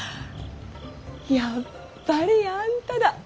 やっぱりあんただ。